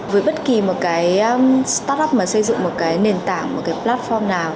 với bất kỳ một cái start up mà xây dựng một cái nền tảng một cái platform nào